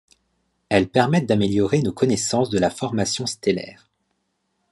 Elles permettent d'améliorer nos connaissances de la formation stellaire.